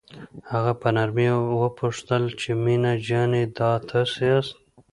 هغه په نرمۍ وپوښتل چې مينه جانې دا تاسو یاست.